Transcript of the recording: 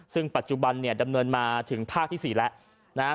ซึ่งปัจจุบันดำเนินมาถึงภาคที่๔แล้วนะครับ